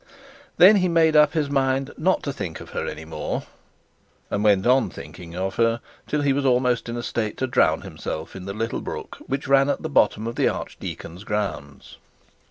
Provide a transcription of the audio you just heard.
Then he made up his mind not to think of her any more, and went on thinking of her till he was almost in a state to drown himself in the little brook which was at the bottom of the archdeacon's grounds.